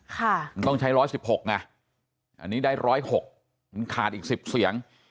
ค่ะมันต้องใช้ร้อยสิบหกไงอันนี้ได้ร้อยหกมันขาดอีกสิบเสียง